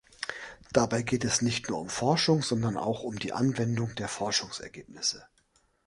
Dabei geht es nicht nur um Forschung, sondern auch um die Anwendung der Forschungsergebnisse.